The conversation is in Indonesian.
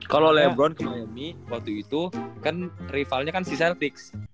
kalo lebron ke miami waktu itu kan rivalnya kan si celtics